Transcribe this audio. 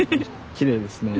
きれいですねえ。